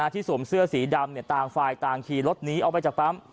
สวมเสื้อสีดำต่างฝ่ายต่างขี่รถหนีออกไปจากปั๊ม